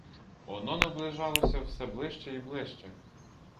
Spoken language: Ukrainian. Оно наближалося все ближче і ближче.